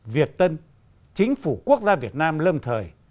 việt tân chính phủ quốc gia việt nam lâm thời